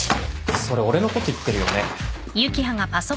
それ俺のこと言ってるよね。